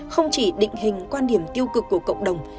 không chỉ định hình quan điểm tiêu cực của cộng đồng